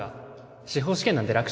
司法試験なんて楽勝か